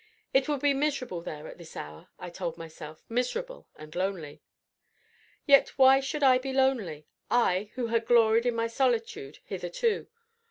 "It would be miserable there at this hour," I told myself, "miserable and lonely." Yet why should I be lonely; I, who had gloried in my solitude hitherto?